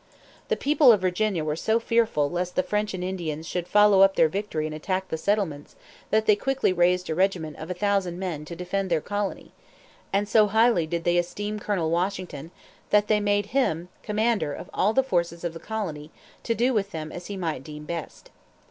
The people of Virginia were so fearful lest the French and Indians should follow up their victory and attack the settlements, that they quickly raised a regiment of a thousand men to defend their colony. And so highly did they esteem Colonel Washington that they made him commander of all the forces of the colony, to do with them as he might deem best.